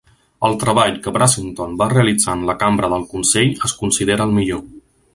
El treball que Brassington va realitzar en la cambra del consell es considera el millor.